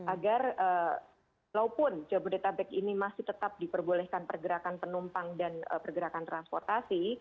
agar walaupun jabodetabek ini masih tetap diperbolehkan pergerakan penumpang dan pergerakan transportasi